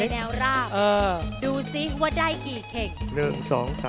แนวราบดูซิว่าได้กี่เข็ก